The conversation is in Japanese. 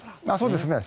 そうですね。